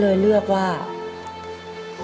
โทรหาลูกชายโทรหาลูกชาย